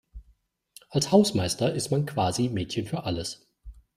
Als Hausmeister ist man quasi Mädchen für alles.